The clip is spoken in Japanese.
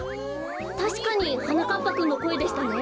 たしかにはなかっぱくんのこえでしたね。